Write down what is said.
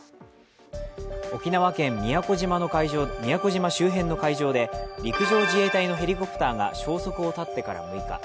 沖縄県宮古島周辺の海上で陸上自衛隊のヘリコプターが消息をたってから６日。